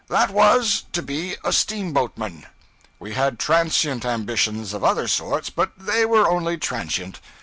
That was, to be a steamboatman. We had transient ambitions of other sorts, but they were only transient.